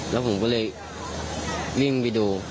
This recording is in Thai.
แล้วผมก็เลยวิ่งไปดู